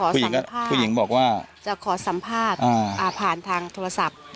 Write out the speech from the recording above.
พี่หนีเรี่ยงก็บอกว่าจะขอสัมภาษณ์ผ่านทางโทษัพ